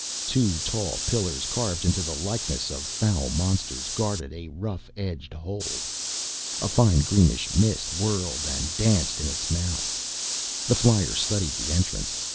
Two tall pillars, carved into the likeness of foul monsters, guarded a rough edged hole. A fine greenish mist whirled and danced in its mouth. The flyer studied the entrance.